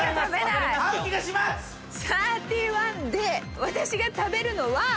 サーティワンで私が食べるのは。